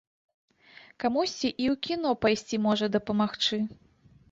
Камусьці і ў кіно пайсці можа дапамагчы.